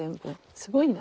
すごいな。